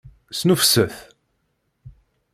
Snuffset!